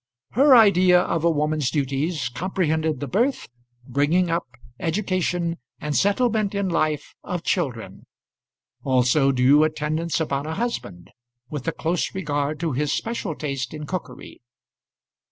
Her idea of a woman's duties comprehended the birth, bringing up, education, and settlement in life of children, also due attendance upon a husband, with a close regard to his special taste in cookery.